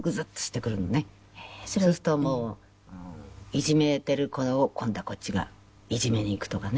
そうするともういじめてる子を今度はこっちがいじめにいくとかね。